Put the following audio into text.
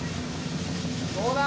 どうだ？